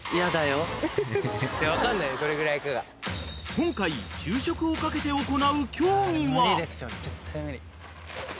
［今回昼食をかけて行う競技は］